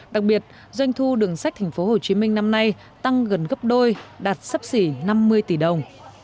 đặc biệt doanh thu đường sách thành phố hồ chí minh năm nay tăng gần gấp đôi đạt sắp xỉ năm mươi tỷ đồng